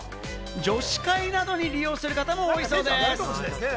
女子会などに利用する方も多いそうです。